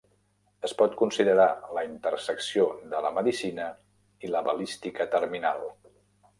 Es pot considerar la intersecció de la medicina i la balística terminal.